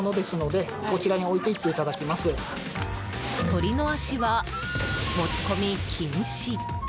鶏の足は持ち込み禁止。